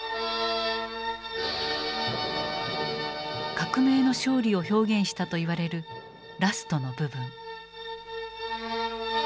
「革命の勝利」を表現したと言われるラストの部分。